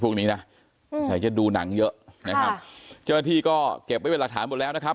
พวกนี้นะสงสัยจะดูหนังเยอะนะครับเจ้าหน้าที่ก็เก็บไว้เป็นหลักฐานหมดแล้วนะครับ